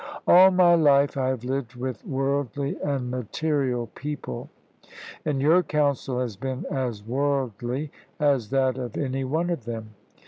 All my life I have lived with worldly and material people, and your counsel has been as worldly as that of any one of them.